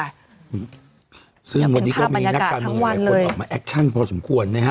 ซึ่งวันนี้ก็มีนักการเมืองหลายคนออกมาแอคชั่นพอสมควรนะฮะ